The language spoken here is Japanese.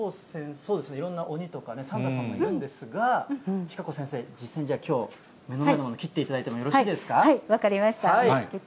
そうですね、いろんな鬼とかね、サンタさんもいるんですが、千賀子先生、目の前のもの、切っていただいてもよろしい分かりました。